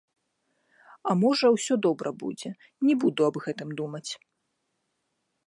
А можа, усё добра будзе, не буду аб гэтым думаць.